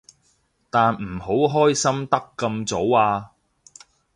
但唔好開心得咁早啊